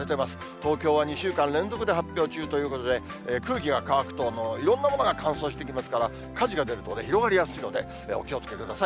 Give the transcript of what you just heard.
東京は２週間連続で発表中ということで、空気が乾くと、いろんなものが乾燥してきますから、火事が出ると広がりやすいので、お気をつけください。